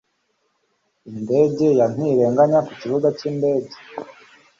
Indege ye ntiragera ku kibuga cyindege.